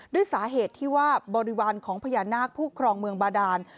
ด้วยสาเหตุที่ว่าบริวารของพญานาคผู้ครองเมืองบาดาน